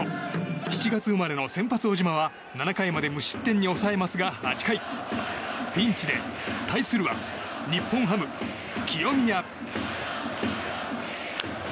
７月生まれの先発、小島は７回まで無失点に抑えますが８回、ピンチで対するは日本ハム、清宮。